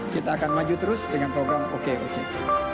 kita akan maju terus dengan program oke ojek